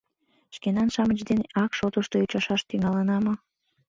— Шкенан-шамыч дене ак шотышто ӱчашаш тӱҥалына мо?